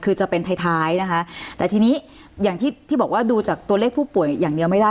คือจะเป็นท้ายท้ายนะคะแต่ทีนี้อย่างที่ที่บอกว่าดูจากตัวเลขผู้ป่วยอย่างเดียวไม่ได้